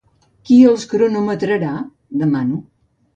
Qui el cronometrarà? —demano.